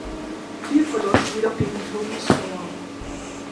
Hier verlor sie jedoch gegen Toni Storm.